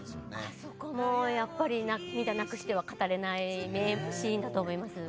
あそこもやっぱり涙なくしては語れない名シーンだと思います。